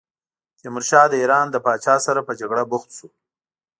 تیمورشاه د ایران له پاچا سره په جګړه بوخت شو.